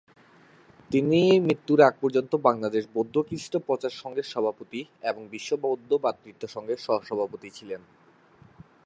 তিনি মৃত্যুর আগ পর্যন্ত বাংলাদেশ বৌদ্ধ কৃষ্টি প্রচার সংঘের সভাপতি এবং বিশ্ব বৌদ্ধ ভ্রাতৃত্ব সংঘের সহ-সভাপতি ছিলেন।